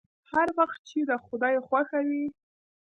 هر وخت چې د خداى خوښه وي.